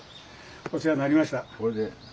お世話になりました。